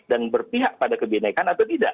dan berpihak pada kebenekan atau tidak